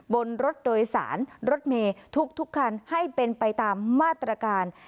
บนรถโดยสารรถเมย์ทุกคันให้เป็นไปตามมาตรการ